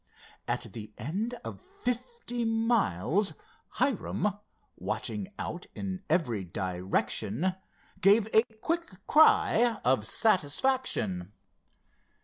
At the end of fifty miles, Hiram, watching out in every direction, gave a quick cry of satisfaction.